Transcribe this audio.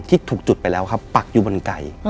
ที่ถูกจุดไปแล้วครับปักอยู่บนไก่